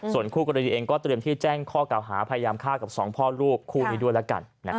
ส่วนคู่กรณีเองก็เตรียมที่แจ้งข้อเก่าหาพยายามฆ่ากับสองพ่อลูกคู่นี้ด้วยแล้วกัน